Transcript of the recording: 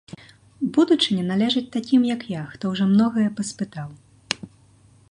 Будучыня належыць такім, як я, хто ўжо многае паспытаў.